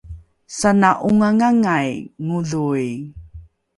sana’ongangangai ngodhoi